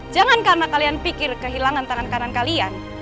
jangan karena kalian pikir kehilangan tangan kanan kalian